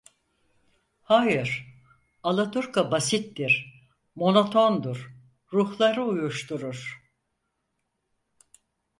Hayır, alaturka basittir, monotondur, ruhları uyuşturur.